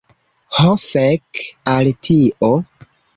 Ho fek al tio!